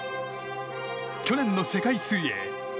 去年の世界水泳。